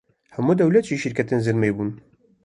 hemû dewlet jî şîrêkên zilmê bûn